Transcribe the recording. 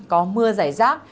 có mưa giải rác